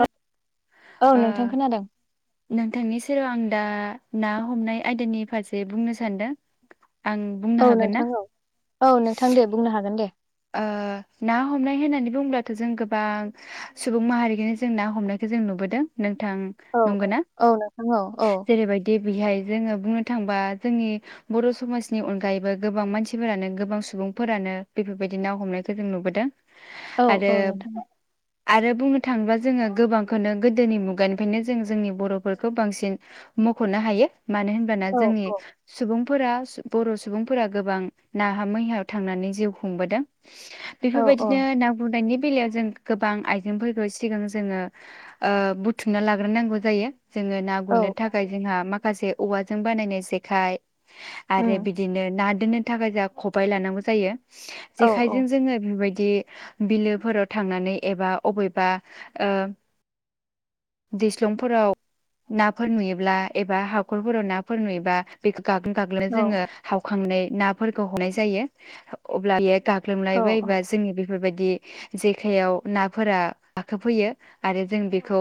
औ औ नोंथां ओ खोनादों। नोंथांनि सेराव आं दा ना हमनाय आयदानि फारसे बुंनो सानदों। आं औ बुंनो हागोन नोंथां ना? औ औ नोंथां दे बुंनो हागोन। दे ओ ना हमनाय होननानै बुंब्लाथ जों गोबां सुबुं माहारिखौनो जों ना हमनायखौ जों नुबोदों नों औ औ औ नोंथां औ औ। बिहाय जोङो बुंनो थांबा जोंनि बर' समाजनि अनगायैबो गोबां मानसिफोरानो गोबां सुबुंफोरानो बेफोर बेबायदि ना हमनायखौ जों नुबोदों। औ औ आरो नोंथां औ। आरो बुंनो थाङोब्ला जोङो गोबांखौनो गोदोनि मुगानिफ्रायनो जों जोंनि बर'फोरखौ बांसिन मख'नो हायो। मानो होनबाना औ जोंनि औ सुबुं सुबुं फोर बर' सुबुंफोरा गोबां नाहा मैहायाव थांनानै जिउ खुंबोदों। औ औ बेफोरबायदिनो ना गुरनायनि बबेलायाव जों गोबां आइजेंफोरखौ सिगां जोङो ओ बुथुमना लाग्रोनांगौ जायो। जोङो ना औ गुरनो औ थाखाय जोंहा माख माखासे औवाजों बानायनाय जेखाय आरो उम बिदिनो ना बिनो थाखाय जाहा खबाइ लानांगौ जायो। औ औ जेखायजों जोङो बेबायदि दि बिलोफोराव थांनानै एबा अबेबा ओ दैस्लंफोराव नाफोर नुयोब्ला एबा हाखरफोराव नाफोर नुयोबा बेख गागोम गागोमनो औ जोङो हावखांनाय नाफोरखौ हनाय जायो अब्ला औ गाग्लोबलायबायायोबा जोंनि बे बेफोरबायदि जेखायाव नाफोरा गाखोफैयो आरो जों बेखौ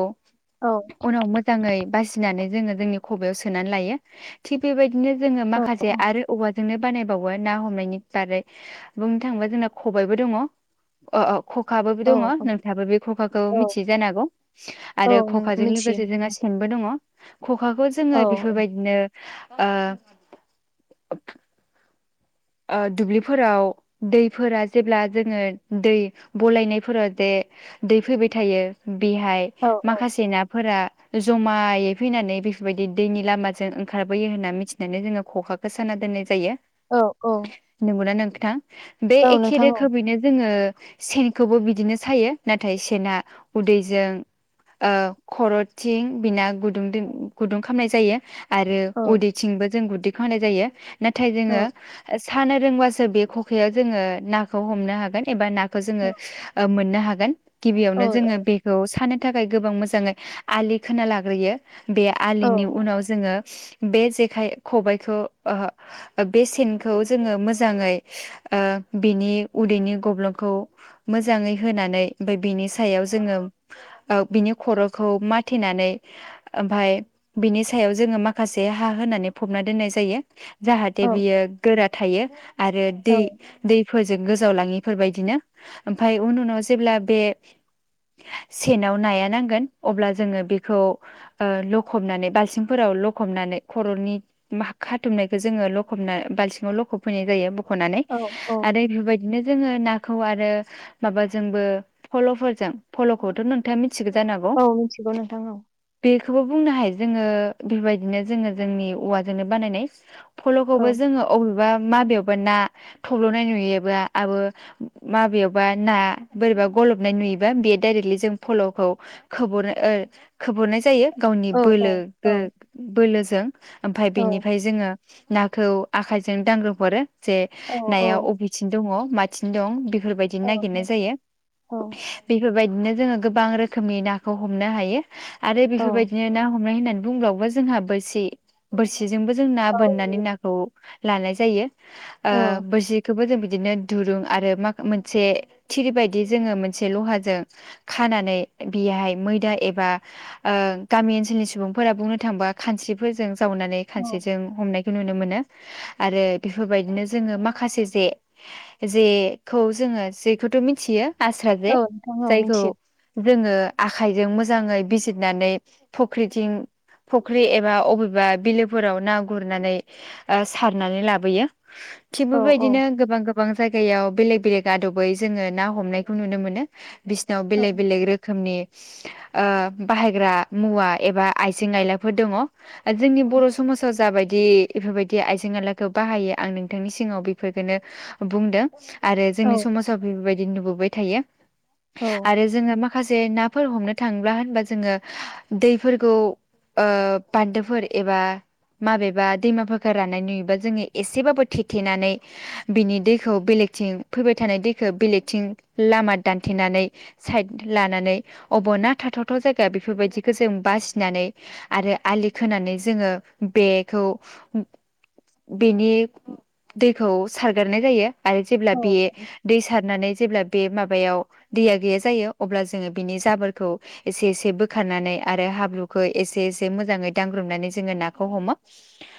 औ उनाव मोजाङै बासिनानै जोङो जोंनि खबयाव सोनानै लायो थिग बेबायदि बिदिनो जोङो माखासे आरो औवा जोंनो बानायबावो ना हमनायनि बारै बुंनो थाङोबा जोंना खबायबो दङ औ औ खखाबो औ दङ नोंथाङाबो बे खखाखौ औ मिथियो जानो हागौ औ आरो नों खखाजों मिथियो लोगोसे जोंहा सेनबो दङ खखाखौ औ जोङो औ बेफोरबायदिनो ओ ओ दुब्लिफोराव दैफोरा जेब्ला जोङो दै बलायनायफोराव जे दै फैबाय थायो बेहाय औ माखासे ना फोरा जमायै फैनानै बेफोरबायदि दैनि लामाजों ओंखारबोयो होन्ना मिथिनानै जोङो खखाखौ साना दोननाय जायो औ औ [unintelligible] बे औ एखे नोंथां औ रोखोमैनो जोङो सेनखौबो बिदिनो सायो नाथाय सेनना उदैजों खर'थिं बिना गुदुं गुदुं खालामामनाय जायो आरो औ उदैथिंबो जों गु्देखौ होनाय जायो नाथाय जोङो औ सानो रोंबासो बे खखायाव जोङो नाखौ हमनो हागोन एबा ना खौ जोङो ओ मोननो हा हागोन औ गिबियावनो जोङो बेखौ सानो थाखाय गोबां मोजाङै आलि खोना लाग्रोयो बे आलिनि उनाव जोङो बे जेखाय खबायखौ ओहो बे सेन खौ जोङो मोजाङै ओ बिनि उदैनि गब्लंखौ मोजाङै होनानै ओमफाय बिनि सायाव जोङो ओ बिनि खर'खौ माथिनानै ओमफाय बिनि सायाव जोङो माखासे हा होनानै फबना दोननाय जायो जाहाथे बियो थायो आरो औ दै दै फोजों गोजावलाङिफोरबायदिनो ओमफाय उन उनाव जेब्ला बे सेनाव नाया नांगोन अब्ला जोङो बेखौ ओ लखबनानै बाल्सिंफोराव लखबनानै खर'नि खाथुमनायखौ जोङो लखबना बालथिं लखब फैनाय जायो खनानै औ आरो बेफोरबायदिनो जोङो नाखौ आरो माबाजोंबो फल'फोरजों फल'खौथ' नोंथाङा मि थिगौ जांनो हागौ औ मिथिगौ नोंथां औ बि बेखौबो बुंनो हायो जोङो बेबायदिनो जोङो जोंनि औवाजोंनो बानायनाय। औ फल'खौबो जोङो। बबेबा माबेयावबा ना थब्ल'नाय नुयोबा आबो माबेयावबा ना बोरैबा गलबनाय नुयोबा बे डाइरेक्टलि जों फल'खौ खोबहरो ओ- खोबहरनाय जायो। गावनि औ औ बोलो औ गो बोलो। ओमफाय औ बेनिफ्राय जोङो। नाखौ आखाइजों दांग्रोब हरो। जे नाया अबेथिं दङ। माथिं दं बि बेफोरबायदिनो नागिरनाय जायो बेफोरबायद नो जोङो गोबां रोखोमनि नाखौ हमनो हायो। आरो औ बेफोरबायदिनो ना हमनाय होननानै। बुंबावब्ला जोंहा बोरसि बोरसि जोंबो जों ना औ बोननानै नाखौ। लानाय जायो। ओ- औ बोरसिखोबो जों बिदिनो दुरुं आरो मोनसे थिर बायदि जोङो मोनसे लहाजों खानानै बेहाय मैदा एबा ओ-गामि ओनसोलनि सुबुंफोरा बुंनो थांबा खानस्रिफोरजों। जावनानै औ खानसेजों हमनाय नुनो मोनो आरो बेफोरबायदिनो जोङो माखासे जे जेखौ जोङो जेखौथ' मिथियो? आस्रा जे औ नोंथां औ जायखौ। मिथियो रोङो आखायजों मोजाङै बिजिरनानै फख्रिथिं फख्रि एबा अबेबा बिलोफोराव ना गुरनानै। ओ- सारनानै लाबोयो। थिग औ औ बेबायदिनो गोबां गोब गोबां जायगायाव बेलेग बेलेग आदबै जोङो ना हमनायखौ नुनो मोनो। बिसिनाव औ बेलेग बेलेग रोखोमनि ओ-बाहायग्रा मुवा एबा आइजें आयलाफोर दङ जोंनि बर' समाजाव जाबायदि बेफोरबायदि दि आइजें आलाखौ बाहायो आं नोंथांनि सिगाङाव बेफोरखौनो बुंदों। आरो औ जोंनि समाजावबो बेबायदि नुबोबाय। थायो औ आरो जोङो माख माखासे नाफोर हमनो थाङोब्ला होनबा जोङो दैफोरखौ ओ- बान्दोफोर एबा माबेबा दैमाफा फोरानानै बा जोङो एसेबाबो थेथेनानै बिनि दैखौ बेलेगथिं फैबाय थानाय दैखौ बेलेगथिं लामा दानथेनानै साइड लानानै अबाव ना थाथावथाव जायगा बेफोरबायदिखौ जों बासिनानै आरो आलि खोनानै जोङो बेखौ बेनि दैखौ सारगारनाय जायो आरो जेब्ला बे दै सारनानै जेब्ला बे मा बायाव दैया गैया जायो अब्ला जोङो बिनि जाबोरखौ एसे एसे बोखारनानै आरो हाब्रुखौ एसे एसे मोजाङै दांग्रोमनानै जोङो नाखौ हमो।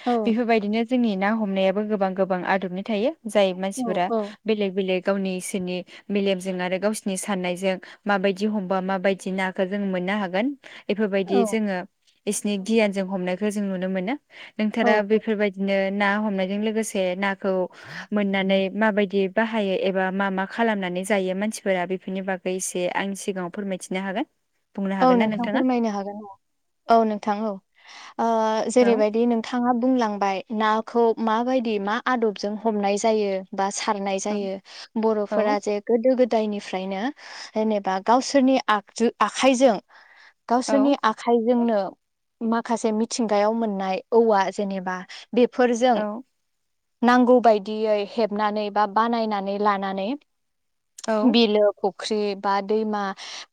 औ बेफोरबायदिनो जोंनि ना ह मनायाबो गोबां गोबां आदबनि थायो। जाय औ मानसिफोरा बेलेग बेलेग गावनि इसोरनि मेलेमजों आरो गावसिनि सान्नायजों माबायदि हमबा माबायदि नाखौ जों मोननो हागोन बेफोरबायदि औ जोङो इसे एनै गियान जों हमनायखौ जों नुनो मोनो। औ नोंथारा बि दिनो ना हमनायजों लोगोसे नाखौ मोननानै माबायदि बाहायो एबा मा मा खालामनानै जायो मानसिफोरा बेफोरनि बागै एसे आंनि सिगाङाव फोरमायथिनो हागोन? बुंनो औ हागोन ना नोंथां नोंथाङा फोरमायनो हागोन। औ औ नोंथां ओ औ जेरैबायदि नोंथाङा बुं लांबाय नाखौ माबायदि मा आदबजों हमनाय जायो बा सारनाय औ जायो औ बर'फोरा जे गोदो गो दायनिफ्रायनो जेनेबा गावसोरनि आगजु आ खाइजों गावसोरनि औ आखाइजोंनो माखासे मिथिंगायाव मोननाय औवा जेनेबा बेफोरजों औ नांगौ बायदियै हेबनानै बा बानायनानै लानानै औ बिलो फु ख्रि बा दैमा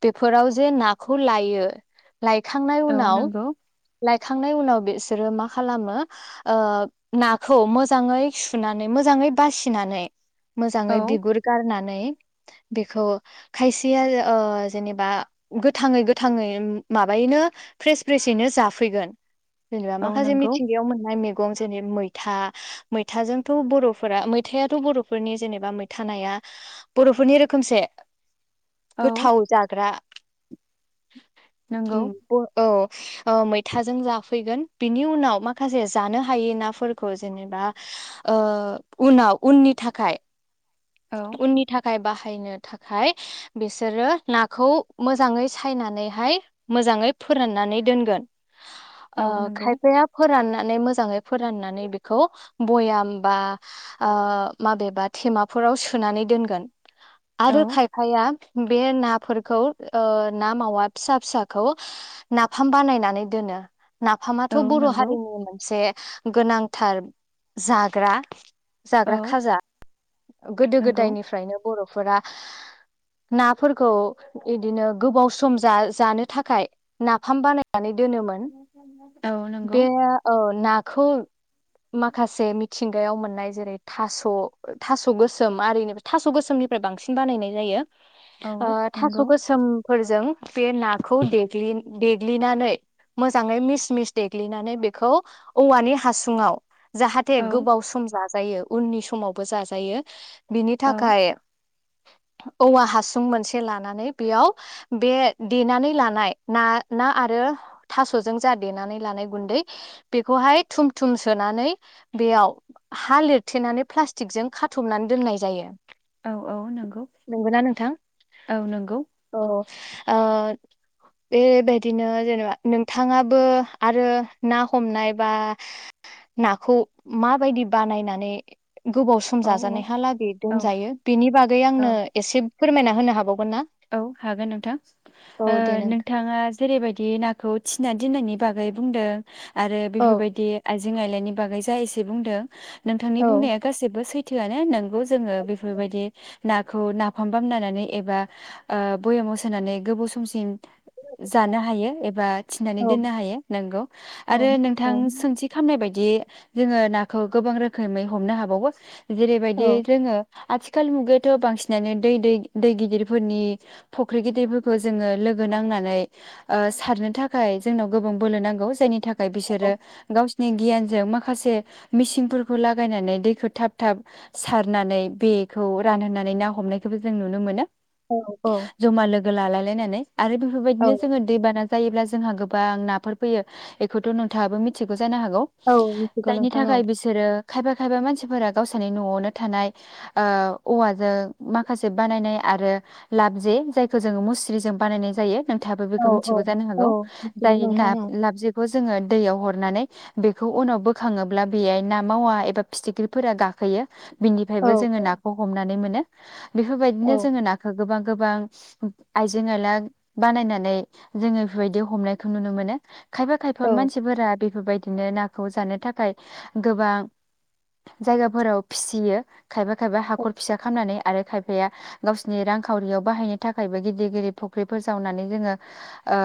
बेफोराव जे नाखौ लायो लायखांनाय औ उनाव नंगौ लाय खांनाय उनाव बिसोरो मा खालामो ओ नाखौ मोजाङै सुनानै मोजाङै बासिनानै औ मोजाङै बिगुर गारना नै बेखौ खायसेया ओ जेनेबा गोथाङै गोथाङै माबायैनो फ्रेस फ्रेसयैनो जाफैगोन। जेनेबा औ माखासे नंगौ मिथिंगायाव मोननाय मे गं जेनेबा मैथा मैथाजोंथ' बर'फोरा मैथायाथ' बर'फोरनि जेनेबा मैथा नाया बर'फोरनि रोखोमसे औ गोथाव जाग्रा नंगौ उम ओ औ ओ मैथाजों जाफैगोन बिनि उनाव माखासे जानो हायै नाफोरखौ जेनेबा ओ उनाव उननि थाखाय औ उननि थाखाय बा बाहायनो थाखाय बिसोरो नाखौ मोजाङै सायनानैहाय मोजाङै फोराननानै दोनगोन ओ औ नंगौ खायफाया फोरानना नै मोजाङै फोराननानै बेखौ भयाम बा ओ माबेबा थेमाफोराव सोनानै दोनगोन आरो औ खायफाया बे नाफोरखौ ओ ना मावा फिसा फिसाखौ नाफाम बानायनानै दोनो नाफामाथ' औ बर' नंगौ हारिनि मोनसे गोनांथार जाग्रा औ जाग्रा खाजा गोदो नंगौ गोदायनिफ्रायनो बर' फोरा नाफोरखौ इदिनो गोबाव सम जा जानो थाखाय नाफाम बानायनानै दोनोमोन औ नंगौ बे ओ ना खौल माखासे मिथ थिंगायाव मोननाय जेरै थास' थास' गोसोम आरि इनि थास' गोसोमनिफ्राय बांसिन बानायनाय जायो ओ औ थास' नंगौ गोसोम फोरजों बे नाखौ देग्लिनानै मोजाङै मिस मिस देग्लिनानै बेखौ औवानि हासुङाव जाहाथे औ गोबाव सम जाग जायो उननि समावबो जाजायो बिनि औ थाखाय औवा हासुं मोनसे से लानानै बेयाव बे देनानै लानाय ना ना आरो थास'जों जा देनानै लानाय गुन्दै बेखौहाय थुम थुम सोनानै बेयाव हा लिरथेनानै प्लास्टिकजों खाथबनान दोननाय जायो औ औ नंगौ ना नोंथां औ नोंगौ अ ओ बेबायदिनो जेनेबा नोंथाङाबो आरो ना हमनाय बा नाखौ माबायदि बानायनानै गोबाव सम औ औ जाजानायहालागै औ दोनजायो बेनि बागै औ आंनो एसे फोरमायना होनो हाबावगोन ना औ हागोन नोंथां औ ओ दे नों नोंथाङा जेरैबायदि नाखौ थिना दोननायनि बागै बुंदों आरो औ बेफोरबायदि आयज जें-आइलायनि बागै जा एसे बुंदों नोंथांनि औ बुंनाया गासिबो सैथ सैथोआनो नोंगौ ज जोङो बेफोरबायदि नाखौ नाफाम बामनायनानै एबा ओ भयामाव सोनानै गोबाव समसिम जानो हायो एबा औ थिनानै दोननो हायो नोंगौ औ आरो औ नोंथां सोंथि खामनाय बायद दि जोङो नाखौ गोबां रोखोमै हमनो हाबावो। औ जेरैबायदियै जोङो आथिखाल मुगायावथ' बांसिनानो दै दै दै गिदिर फोरनि फुख्रि गिदिरफोरखौ जोङो लोगो नांनानै ओ सारनो थाखाय जोंनाव गोबां बोलो नांगौ जायनि थाख खाय बिसोरो गाव नि गियानजों माखासे मिचिनफोरखौ लागायनानै दैखौ थाब थाब सारनानै बेखौ रानहोनानै ना हमनायखौबो जों नुनो मोनो। औ औ। गो लालाय लायनानै आरो औ बेफोरबायदिनो जोङो दैबाना जायोब्ला जोंहा गोबां नाफोर फैयो बेखौथ' नोंथाङाबो मिथिगौ जा जानो हागौ। औ मिथिगौ जायनि नोंथां औ थाखाय बिसोरो खायफा खायफा मानसिफोरा गावसानि न'आवनो थानाय ओ औवाजों माखासे बानायनाय आरो लाब जे जायखौ जोङो मुस्रिजों बानायनाय जायो। नोंथाबो औ बेखौ औ मिथिगौ जानो औ हागौ। मिथिगौ जाय ना नोंथां औ लाब जेखौ जोङो दैयाव हरनानै बेखौ उनाव बोखाङोब्ला बेहाय ना मावा एबा फिथिख्रिफोरा गाखोयो। औ बिनिफ्रायबो जोङो नाखौ हमनानै मोनो। [inaudible] बेफोरबायदिनो औ जोङो नाख गोबां गोबां आइजें-आयला बानायनानै जोङो बेबायदि हमनायखौ नुनो मोनो। खायफा खायफा औ मानसिफोरा बेफोरबायदिनो नाखौ जानो थाखाय गोबां जायगाफोराव फिसियो। खायफा खायबा हाखर फिसा खालामनानै आरो खायफाया गाव नि रांखावरियाव बाहायनो थाखायबो गिदिर गिदिर फुख्रिफोर जावनानै जोङो ओ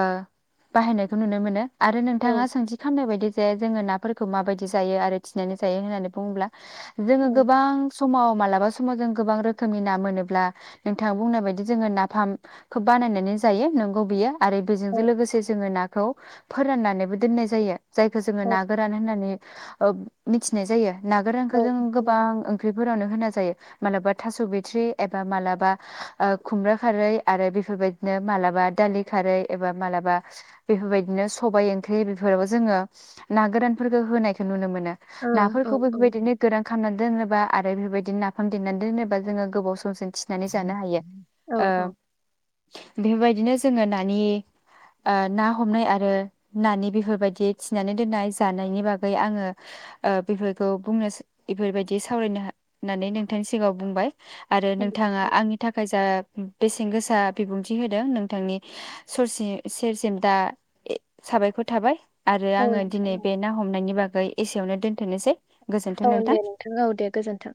बाहायनायखौ नुनो मोनो। आरो औ नोंथाङा सोंथि खालामनाय बायदि जे जोङो नाफोरखौ माबायदि जायो आरो थिनानै जायो होननानै बुङोब्ला। जोङो औ गोबां समाव मालाबा समाव जों गोबां रोखोमनि ना मोनोब्ला नोंथाङा बुंनाय बायदि जोङो नाफामखौ बानायनानै जायो नंगौ बियो। आरो बेजों औ जो लोगोसे जोङो ना खौ फोराननानैबो दोननाय जायो। जायखौ जोङो ओ ना गोरान होननानै ओब मिथिनाय जायो। औ नागोरांखो जों गोबां ओंख्रि फोरानो होना जायो। मालाबा थास' बिथ्रि एबा मालाबा खुमब्रा खारै आरो बेफोरबायदिनो मालाबा दालि खारै एबा मालाबा बेफोरबायदिनो सबायाइ ओंख्रि बेफोराव जोङो ना गोरानफोरखौ होनायखौ नुनो मोन नो ना औ फोरखौबो बे बायदिनो गो खामनानै दोनोबा आरो बेफोरबायदि नाफाम देनानै दोनोबा जोङो गोबाव समसिजों थिनानै जानानै जानो हायो। औ ओ औ बेफोरबायदिनो जोङो नानि ओ ना हमनाय आरो नानि बेफोरबायदि थिनानै दोननाय जानायनि बागै आङो ओ बेफोरखौ बुंनो बेफोरबायदि सावरायनो होननानै नोंथांनि सिगाङाव बुंबाय। आरो नोंथाङा आंनि थाखाय जा बेसेन गोसा बिबुंथि होदों नोंथांनि ससे सेरसिम दा साबायखर थाबाय। आरो आङो दिनै नोंथां औ बे ना हमनायनि बाग एसेयावनो दोनथ'नोसै। औ दे नोंथां औ दे गोजोनथों।